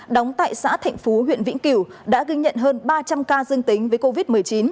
đóng tại xã thạnh phú huyện vĩnh kiều đã ghi nhận hơn ba trăm linh ca dương tính với covid một mươi chín